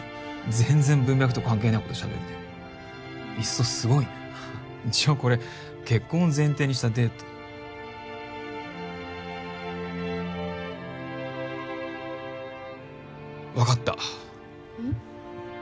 全然文脈と関係ないことしゃべるねいっそすごいね一応これ結婚を前提にしたデート分かったうん？